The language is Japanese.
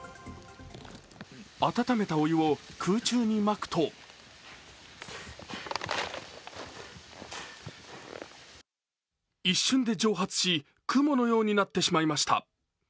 温めたお湯を空中にまくと一瞬で蒸発し、雲のようになってしまいました。